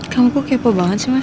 kamu kok kepo banget sih mas